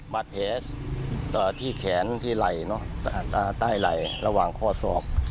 มาเผะเอ่อที่แขนที่ไหล่เนอะอ่าใต้ไหล่ระหว่างข้อสอบ